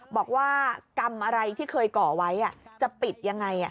บอกว่ากรรมอะไรที่เคยก่อไว้จะปิดยังไง